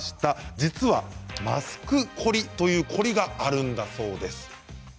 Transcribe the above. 実は、マスクコリという凝りがあるんだそうです。